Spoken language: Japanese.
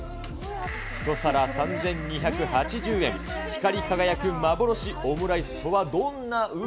１皿３２８０円、光り輝く幻オムライスとは、どんなＵＭＡ。